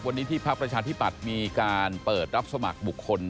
วันนี้ที่พักประชาธิปัตย์มีการเปิดรับสมัครบุคคล